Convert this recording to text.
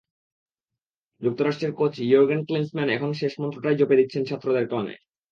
যুক্তরাষ্ট্রের coach Jurgen Klinsmann এখন শেষ মন্ত্রটাই জপে দিচ্ছেন ছাত্রদের কানে।